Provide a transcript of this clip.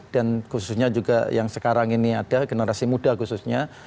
dan khususnya juga yang sekarang ini ada generasi muda khususnya